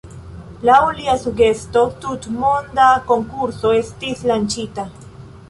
Laŭ lia sugesto, tutmonda konkurso estis lanĉita.